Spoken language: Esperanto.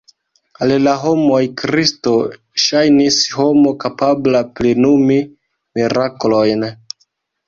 Al la homoj Kristo ŝajnis homo kapabla plenumi miraklojn.